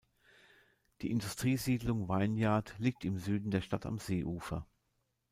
Die Industriesiedlung Vineyard liegt im Süden der Stadt am Seeufer.